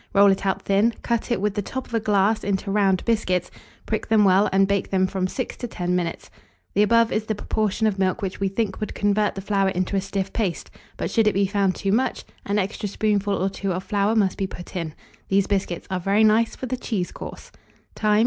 Roll it out thin; cut it with the top of a glass into round biscuits; prick them well, and bake them from 6 to 10 minutes. The above is the proportion of milk which we think would convert the flour into a stiff paste; but should it be found too much, an extra spoonful or two of flour must be put in. These biscuits are very nice for the cheese course.